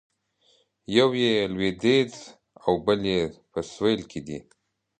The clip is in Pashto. یو یې لویدیځ او بل یې په سویل کې دی.